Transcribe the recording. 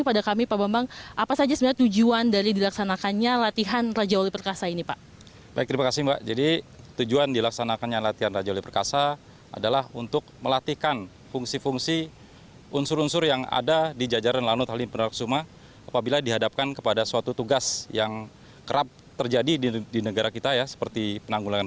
penerbangan delapan pesawat hercules untuk menilai lokasi bencana alam yang terjadi di sumatera selatan